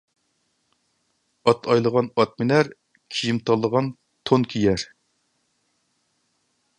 ئات ئايلىغان ئات مىنەر، كىيىم تاللىغان تون كىيەر.